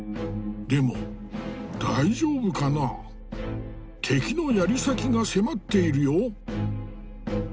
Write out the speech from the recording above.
でも大丈夫かな敵のやり先が迫っているよ。